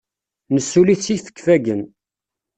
Nessuli-t s yifegfagen.